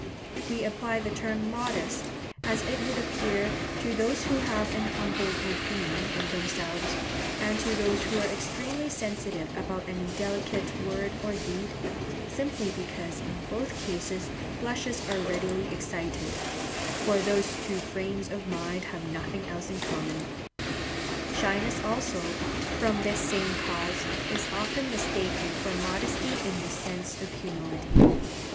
We apply the term 'modest,' as it would appear, to those who have an humble opinion of themselves, and to those who are extremely sensitive about an indelicate word or deed, simply because in both cases blushes are readily excited, for these two frames of mind have nothing else in common. Shyness also, from this same cause, is often mistaken for modesty in the sense of humility.